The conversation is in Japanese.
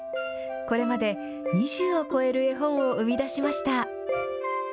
これまで２０を超える絵本を生み出しました。